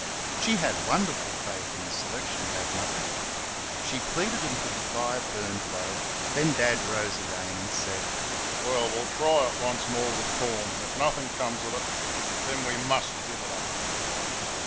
She had wonderful faith in the selection, had Mother. She pleaded until the fire burned low, then Dad rose and said: "Well, we'll try it once more with corn, and if nothing comes of it why then we MUST give it up."